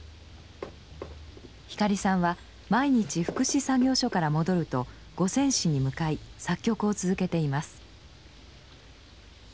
光さんは毎日福祉作業所から戻ると五線紙に向かい作曲を続けています。